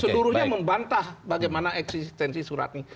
seluruhnya membantah bagaimana eksistensi surat ini